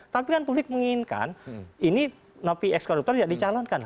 tapi kan publik menginginkan ini nopi ex koruptor tidak dicalonkan